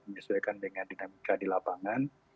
jadi ini akan dilakukan dengan dinamika di lapangan